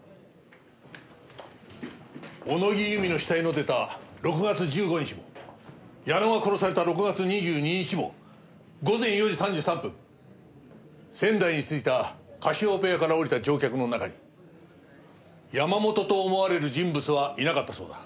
小野木由美の死体の出た６月１５日も矢野が殺された６月２２日も午前４時３３分仙台に着いたカシオペアから降りた乗客の中に山本と思われる人物はいなかったそうだ。